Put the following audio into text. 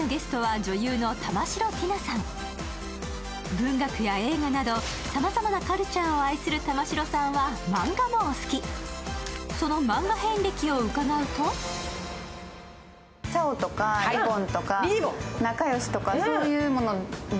文学や映画などさまざまなカルチャーを愛する玉城さんはマンガもお好き、そのマンガ遍歴を伺うときらりん☆